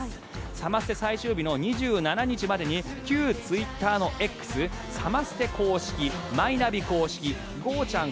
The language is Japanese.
サマステ最終日の２７日までに旧ツイッターのＸサマステ公式、マイナビ公式ゴーちゃん。